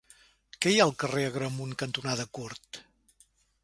Què hi ha al carrer Agramunt cantonada Curt?